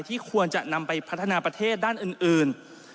ควรจะนำไปพัฒนาประเทศด้านอื่น